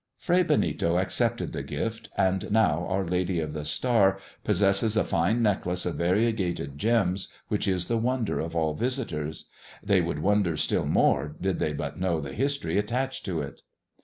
Fray Benito accepted the gift, and now Our Lady of the Star possesses a fine necklace of variegated gems, which is the wonder of all visitors. They would wonder still more did they but know the history attached to it.